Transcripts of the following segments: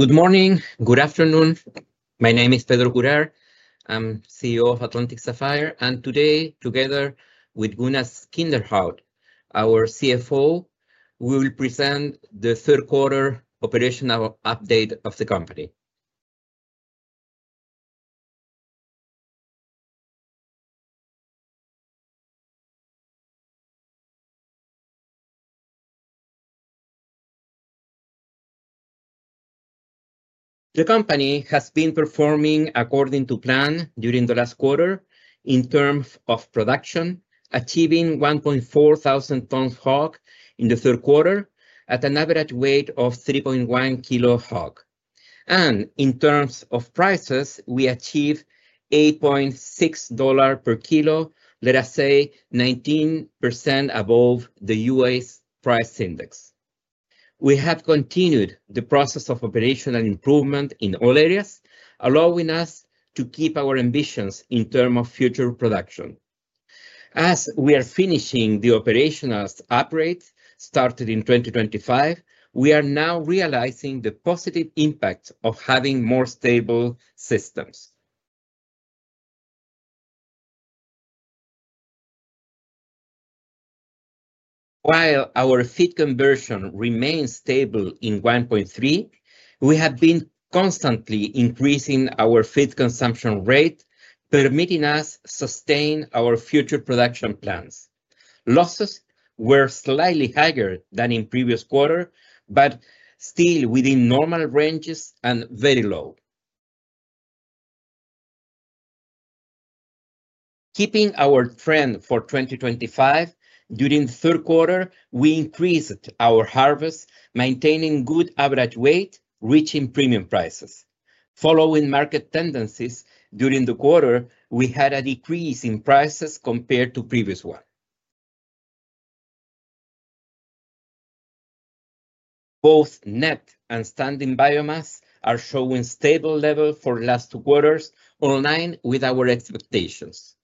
Good morning. Good afternoon. My name is Pedro Courard. I'm CEO of Atlantic Sapphire. Today, together with Gunnar Aasbo-Skinderhaug, our CFO, we will present the third-quarter operational update of the company. The company has been performing according to plan during the last quarter in terms of production, achieving 1,400 tons HOG in the third quarter at an average weight of 3.1 kilos HOG. In terms of prices, we achieved $8.6 per kilo, let us say 19% above the U.S. price index. We have continued the process of operational improvement in all areas, allowing us to keep our ambitions in terms of future production. As we are finishing the operational upgrade started in 2023, we are now realizing the positive impact of having more stable systems. While our feed conversion remains stable in 1.3, we have been constantly increasing our feed consumption rate, permitting us to sustain our future production plans. Losses were slightly higher than in the previous quarter, but still within normal ranges and very low. Keeping our trend for 2025, during the third quarter, we increased our harvest, maintaining good average weight, reaching premium prices. Following market tendencies during the quarter, we had a decrease in prices compared to the previous one. Both net and standing biomass are showing stable levels for the last two quarters, in line with our expectations.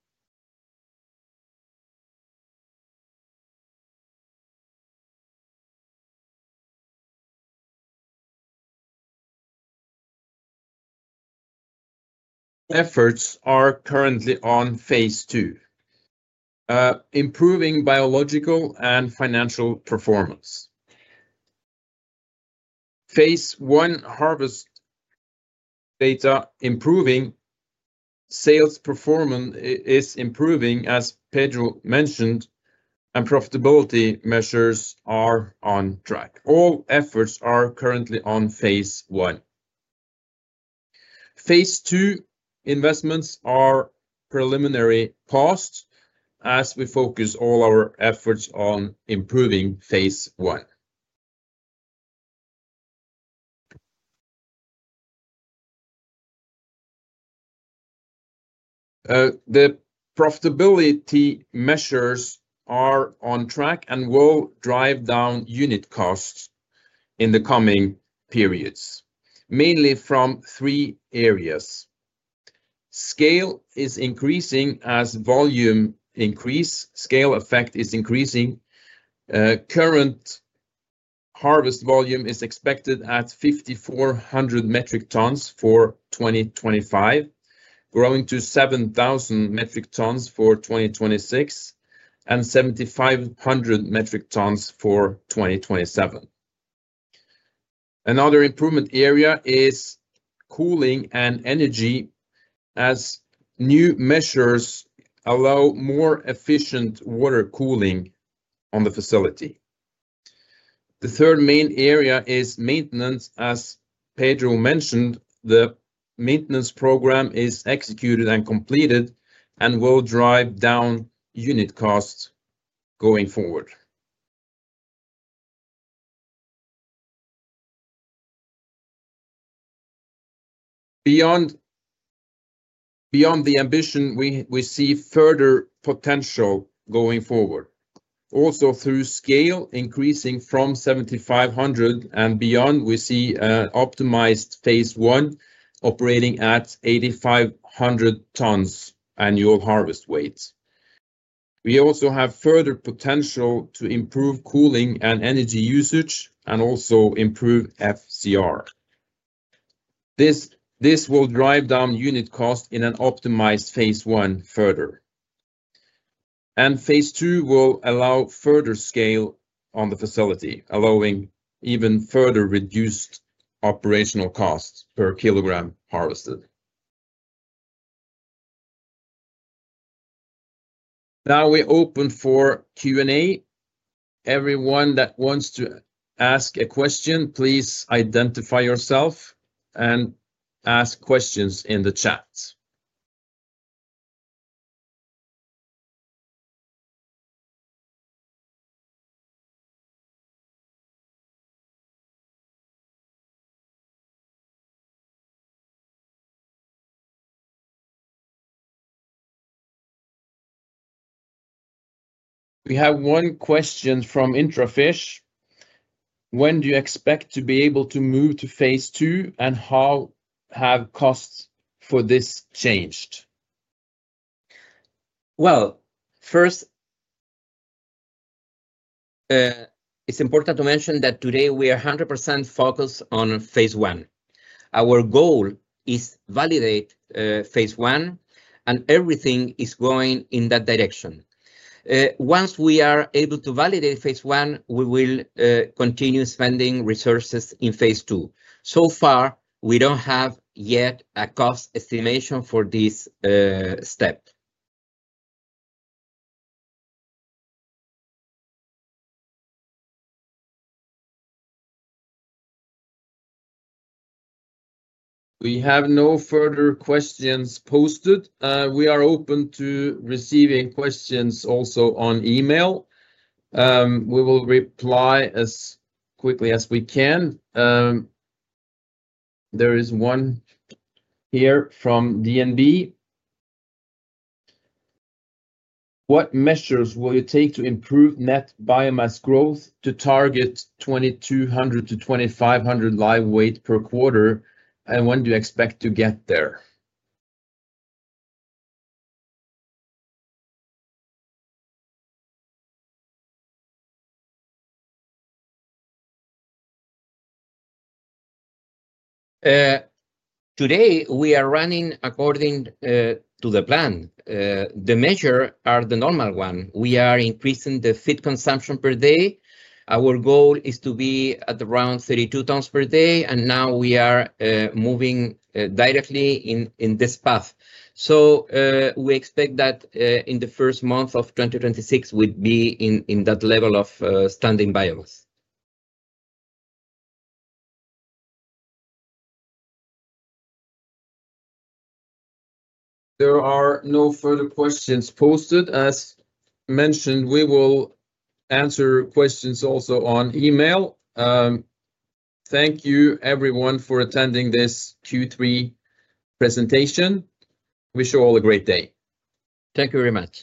Efforts are currently on phase two, improving biological and financial performance. Phase one harvest data is improving, sales performance is improving, as Pedro mentioned, and profitability measures are on track. All efforts are currently on phase one. Phase two investments are preliminary costs as we focus all our efforts on improving phase one. The profitability measures are on track and will drive down unit costs in the coming periods, mainly from three areas. Scale is increasing as volume increases; scale effect is increasing. Current harvest volume is expected at 5,400 metric tons for 2025, growing to 7,000 metric tons for 2026 and 7,500 metric tons for 2027. Another improvement area is cooling and energy as new measures allow more efficient water cooling on the facility. The third main area is maintenance. As Pedro mentioned, the maintenance program is executed and completed and will drive down unit costs going forward. Beyond the ambition, we see further potential going forward. Also, through scale increasing from 7,500 and beyond, we see an optimized phase one operating at 8,500 tons annual harvest weight. We also have further potential to improve cooling and energy usage and also improve FCR. This will drive down unit costs in an optimized phase one further. Phase two will allow further scale on the facility, allowing even further reduced operational costs per kilogram harvested. Now we open for Q&A. Everyone that wants to ask a question, please identify yourself and ask questions in the chat. We have one question from IntraFish. When do you expect to be able to move to phase two and how have costs for this changed? First, it's important to mention that today we are 100% focused on phase one. Our goal is to validate phase one, and everything is going in that direction. Once we are able to validate phase one, we will continue spending resources in phase two. So far, we don't have yet a cost estimation for this step. We have no further questions posted. We are open to receiving questions also on email. We will reply as quickly as we can. There is one here from DNB. What measures will you take to improve net biomass growth to target 2,200-2,500 live weight per quarter, and when do you expect to get there? Today, we are running according to the plan. The measures are the normal one. We are increasing the feed consumption per day. Our goal is to be at around 32 tons per day, and now we are moving directly in this path. We expect that in the first month of 2026, we'd be in that level of standing biomass. There are no further questions posted. As mentioned, we will answer questions also on email. Thank you, everyone, for attending this Q3 presentation. Wish you all a great day. Thank you very much.